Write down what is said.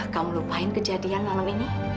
kamu lupain kejadian malam ini